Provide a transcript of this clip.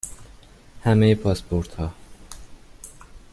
همه پاسپورت ها